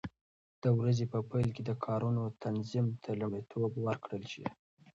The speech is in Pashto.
د ورځې په پیل کې د کارونو تنظیم ته لومړیتوب ورکړل شي.